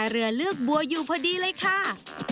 อยู่พอดีเลยค่ะ